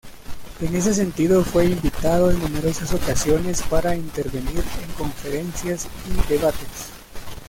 En ese sentido, fue invitado en numerosas ocasiones para intervenir en conferencias y debates.